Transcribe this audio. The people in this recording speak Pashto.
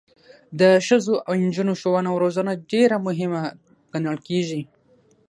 د ښځو او نجونو ښوونه او روزنه ډیره مهمه ګڼل کیږي.